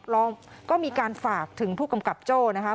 รองก็มีการฝากถึงผู้กำกับโจ้นะคะ